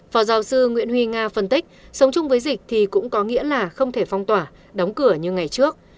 phó giáo sư nguyễn huy nga phân tích sống chung với dịch thì cũng có nghĩa là không thể phong tỏa đóng cửa như ngày trước